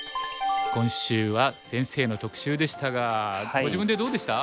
今週は先生の特集でしたがご自分でどうでした？